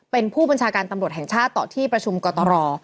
เป็นผู้บัญชาการตำรวจแห่งชาติต่อที่ประชุมกตร